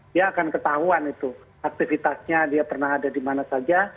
dia akan ketahuan itu aktivitasnya dia pernah ada di mana saja